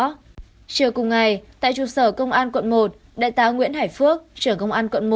trước cùng ngày tại trụ sở công an quận một đại tá nguyễn hải phước trưởng công an quận một